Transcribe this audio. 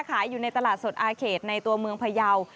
ขายอยู่ในตลาดสดอาเขตในตัวเมืองพยาว